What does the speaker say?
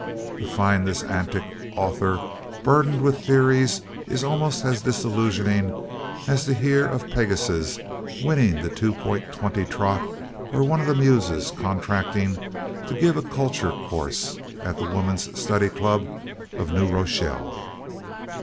To find this antic author burdened with theories is almost as disillusioning as to hear of Pegasus winning the 2.20 trot or one of the muses contracting to give a culture course at the Woman's Study Club of New Rochelle.